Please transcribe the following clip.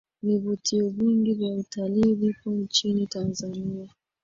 vivutio vingi vya utali vipo nchini tanzania